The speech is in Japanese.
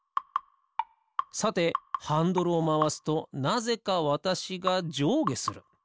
さてハンドルをまわすとなぜかわたしがじょうげする。